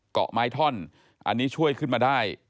เกาะไม้ท่อนอันนี้ช่วยขึ้นมาได้